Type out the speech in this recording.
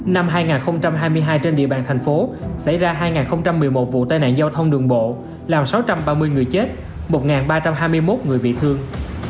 năm hai nghìn hai mươi hai trên địa bàn thành phố xảy ra hai một mươi một vụ tai nạn giao thông đường bộ làm sáu trăm ba mươi người chết một ba trăm hai mươi một người bị thương